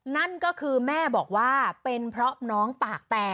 นั่นก็คือแม่บอกว่าเป็นเพราะน้องปากแตก